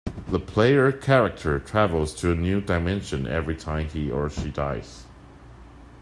The player character travels to a new dimension every time he or she dies.